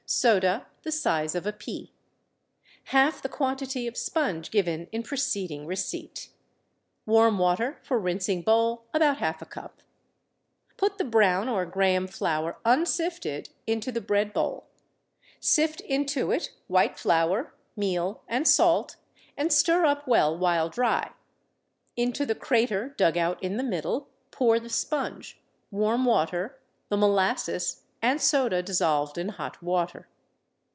Soda, the size of a pea. Half the quantity of sponge given in preceding receipt. Warm water for rinsing bowl—about half a cup. Put the brown or Graham flour unsifted into the bread bowl. Sift into it white flour, meal and salt, and stir up well while dry. Into the "crater" dug out in the middle, pour the sponge, warm water, the molasses, and soda dissolved in hot water.